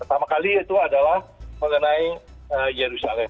pertama kali itu adalah mengenai yerusalem